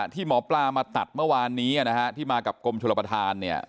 ที่หมอปลามาตัดเมื่อวานนี้นะฮะที่มากับกรมชลประธานเนี่ย